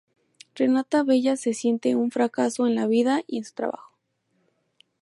Renata Bella se siente un fracaso en la vida y en su trabajo.